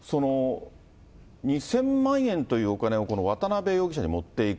２０００万円というお金を渡辺容疑者に持っていく。